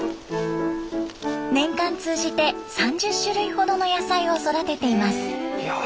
年間通じて３０種類ほどの野菜を育てています。